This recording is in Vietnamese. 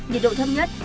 nhiệt độ thâm nhất